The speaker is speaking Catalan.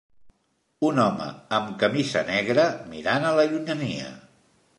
Un home amb camisa negra mirant a la llunyania.